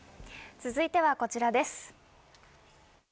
続いてはこちらです。